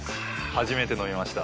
初めて飲みました。